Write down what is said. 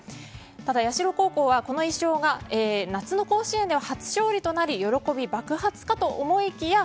ただ、社高校はこの１勝が夏の甲子園では初勝利となり喜び爆発かと思いきや